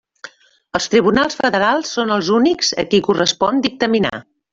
Els tribunals federals són els únics a qui correspon dictaminar.